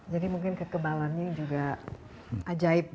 jadi mungkin kekebalannya juga ajaib ya